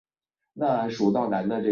一位是元朝白莲宗的释普度。